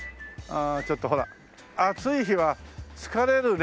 あちょっとほら暑い日は疲れるね。